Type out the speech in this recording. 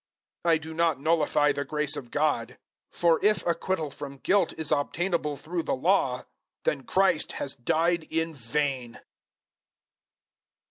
002:021 I do not nullify the grace of God; for if acquittal from guilt is obtainable through the Law, then Christ has died in vain."